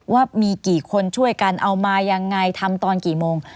ว่ามีกี่คนช่วยกันเอามายังไงทำตอนกี่โมง